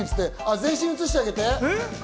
全身、映してあげて。